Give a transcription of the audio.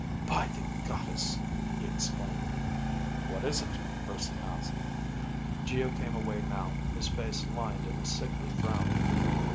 "By the Goddess!" he exclaimed. "What is it?" Urson asked. Geo came away now, his face lined in a sickly frown.